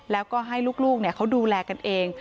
แล้วก็ให้ลูกเขาดูแลกันเอง